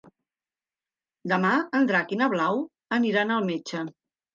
Demà en Drac i na Blau aniran al metge.